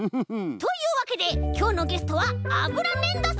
というわけできょうのゲストはあぶらねんどさんでした！